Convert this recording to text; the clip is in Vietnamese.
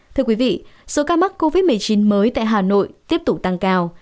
thưa quý vị số ca mắc covid một mươi chín mới tại hà nội tiếp tục tăng cao